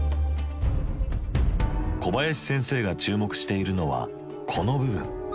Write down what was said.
小林先生が注目しているのはこの部分。